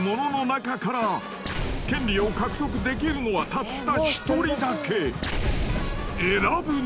［権利を獲得できるのはたった］